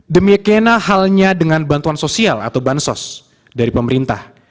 demi kena halnya dengan bantuan sosial atau bansos dari pemerintah